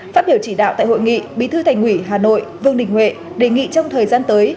phát biểu chỉ đạo tại hội nghị bí thư thành ủy hà nội vương đình huệ đề nghị trong thời gian tới